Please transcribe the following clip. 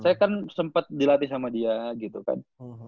saya kan sempat dilatih sama dia gitu kan